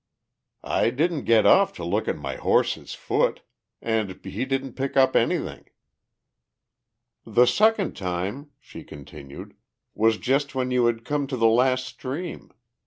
"I didn't get off to look at my horse's foot. And he didn't pick up anything." "The second time," she continued, "was just when you had come to the last stream.